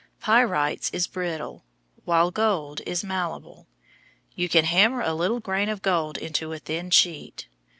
Pyrites is brittle, while gold is malleable. You can hammer a little grain of gold into a thin sheet.